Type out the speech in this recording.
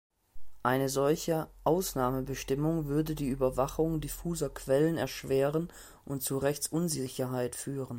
Eine solche Ausnahmebestimmung würde die Überwachung diffuser Quellen erschweren und zu Rechtsunsicherheit führen.